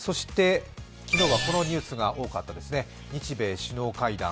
昨日はこのニュースが多かったですね、日米首脳会談。